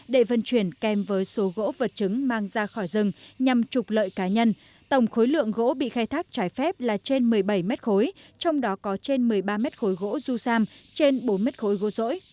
để vận chuyển kèm với số gỗ vật chứng mang ra khỏi rừng nhằm trục lợi cá nhân tổng khối lượng gỗ bị khai thác trái phép là trên một mươi bảy mét khối trong đó có trên một mươi ba mét khối gỗ du sam trên bốn mét khối gỗ rỗi